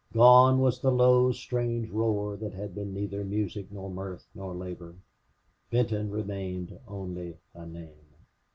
Gone was the low, strange roar that had been neither music nor mirth nor labor. Benton remained only a name.